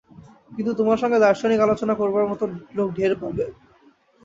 কিন্তু তোমার সঙ্গে দার্শনিক আলোচনা করবার মত লোক ঢের পাবে।